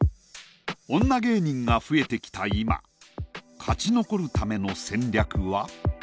女芸人が増えてきた今勝ち残るための戦略は？